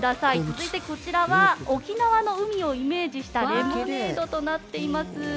続いて、こちらは沖縄の海をイメージしたレモネードとなっています。